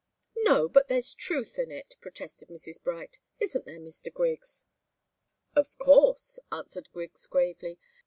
"No, but there's truth in it," protested Mrs. Bright. "Isn't there, Mr. Griggs?" "Of course," answered Griggs, gravely.